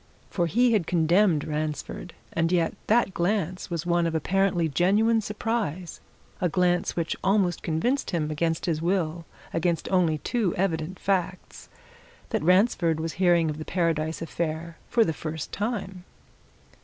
For he had condemned Ransford and yet that glance was one of apparently genuine surprise, a glance which almost convinced him, against his will, against only too evident facts, that Ransford was hearing of the Paradise affair for the first time.